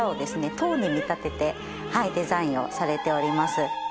塔に見立ててデザインをされております。